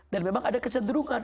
dan memang ada kecenderungan